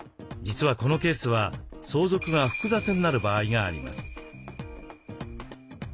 実はこのケースは相続が複雑になる場合があります。